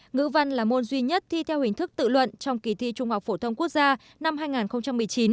ngữ văn là môn duy nhất thi theo hình thức tự luận trong kỳ thi trung học phổ thông quốc gia năm hai nghìn một mươi chín